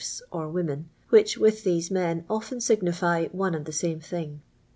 n or wonjen, which, with these men, often Mgnify one and the same thing.